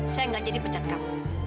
saya gak jadi pecat kamu